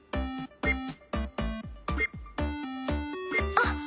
あっ！